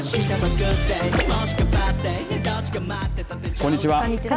こんにちは。